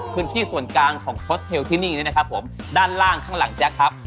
พื้นที่ส่วนกลางของโฮสเทลที่นี่นะครับผมด้านล่างข้างหลังแจ๊คครับ